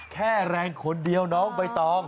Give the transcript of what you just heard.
แค่แรงคนเดียวน้องใบตอง